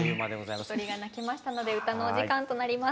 小鳥が鳴きましたので歌のお時間となります。